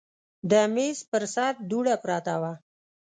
د میز پر سر دوړه پرته وه.